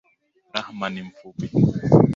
Rahma ni mfupi.